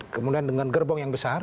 kemudian dengan gerbong yang besar